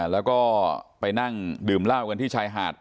แล้วก็ไปนั่งดื่มเหล้ากันที่ชายหาด